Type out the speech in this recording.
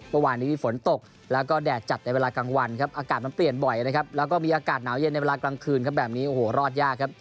เมื่อวานนี้ฝนตกแล้วก็แดดจัดในเวลากลางวันครับอากาศมันเปลี่ยนบ่อยนะครับแล้วก็มีอากาศหนาวเย็นในเวลากลางคืนครับแบบนี้โอ้โหรอดยากครับ